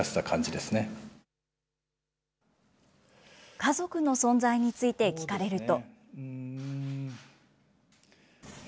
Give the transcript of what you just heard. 家族の存在について聞かれると。